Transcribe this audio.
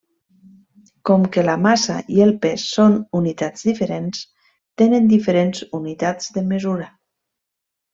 Com que la massa i el pes són unitats diferents, tenen diferents unitats de mesura.